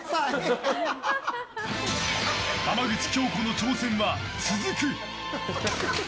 浜口京子の挑戦は続く。